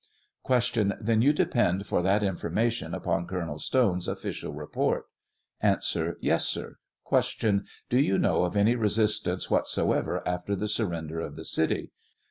Q. Then you depend for that information upon Col onel Stone's official report? A. Yes, sir. Q. Do you know of any resistance whatsoever after the surrender of the city